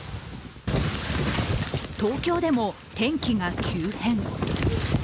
東京でも天気が急変。